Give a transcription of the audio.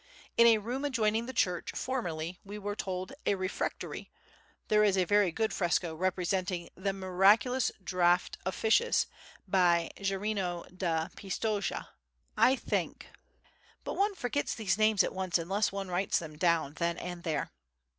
In a room adjoining the church, formerly, we were told, a refectory, there is a very good fresco representing the "Miraculous Draught of Fishes" by Gerino da Pistoja (I think, but one forgets these names at once unless one writes them down then and there).